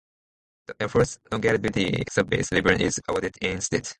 The Air Force Longevity Service Ribbon is awarded instead.